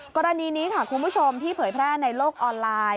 กรณีนี้ค่ะคุณผู้ชมที่เผยแพร่ในโลกออนไลน์